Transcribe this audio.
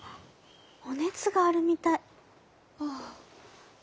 お熱があるみたい。